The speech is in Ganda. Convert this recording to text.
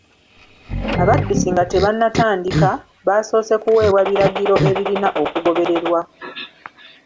Abaddusi nga tebanatandika, baasoose kuweebwa biragiro ebirina okugobererwa.